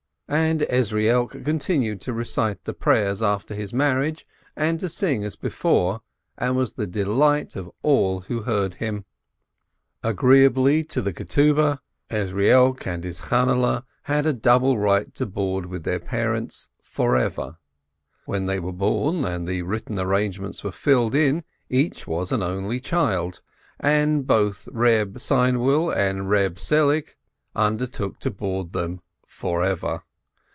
And Ezrielk continued to recite the prayers after his marriage, and to sing as before, and was the delight of all who heard him. Agreeably to the marriage contract, Ezrielk and his Channehle had a double right to board with their par ents "forever"; when they were born and the written engagements were filled in, each was an only child, and both Reb Seinwill and Eeb Selig undertook to board them "forever."